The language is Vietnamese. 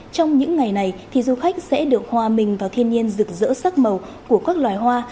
trong những ngày này thì du khách sẽ được hòa mình vào thiên nhiên rực rỡ sắc màu của các loài hoa